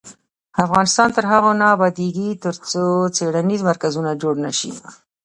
افغانستان تر هغو نه ابادیږي، ترڅو څیړنیز مرکزونه جوړ نشي.